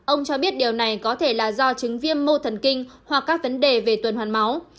ông cho biết điều này có thể là do chứng viêm mô thần kinh hoặc các vấn đề về tuần hoàn máu